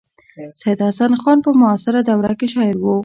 سید حسن خان په معاصره دوره کې شاعر و.